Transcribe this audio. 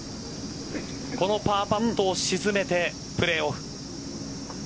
このパーパットを沈めてプレーオフ。